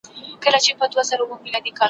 دار ته دي نوم وښیم څوک خو به څه نه وايي `